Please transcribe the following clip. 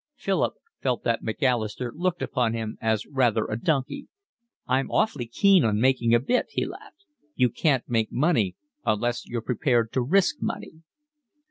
Philip felt that Macalister looked upon him as rather a donkey. "I'm awfully keen on making a bit," he laughed. "You can't make money unless you're prepared to risk money."